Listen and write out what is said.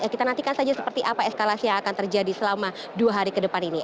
kita nantikan saja seperti apa eskalasi yang akan terjadi selama dua hari ke depan ini